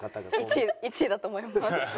１位だと思います！